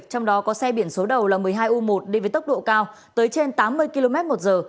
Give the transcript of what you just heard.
trong đó có xe biển số đầu là một mươi hai u một đi với tốc độ cao tới trên tám mươi km một giờ